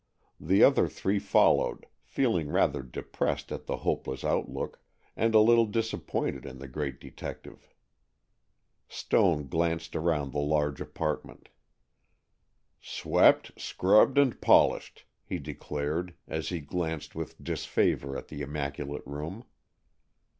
The other three followed, feeling rather depressed at the hopeless outlook, and a little disappointed in the great detective. Stone glanced around the large apartment. "Swept, scrubbed, and polished," he declared, as he glanced with disfavor at the immaculate room.